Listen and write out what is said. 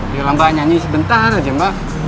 dialah mbak nyanyi sebentar aja mbak